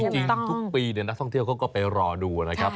จริงทุกปีนักท่องเที่ยวเขาก็ไปรอดูนะครับ